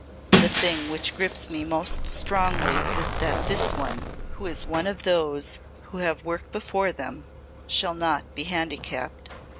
"The thing which grips me most strongly is that this one who is one of those who have work before them shall not be handicapped.